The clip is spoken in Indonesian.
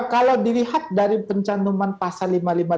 kalau dilihat dari pencantuman pasal lima ribu lima ratus lima puluh enam